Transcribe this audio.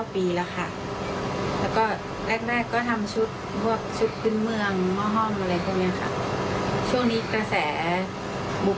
เป็นชุดท่านฝุน